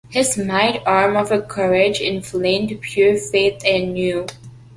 His mighty arm of courage inflamed pure faith anew.